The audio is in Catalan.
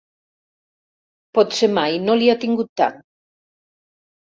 Potser mai no l'hi ha tingut tant.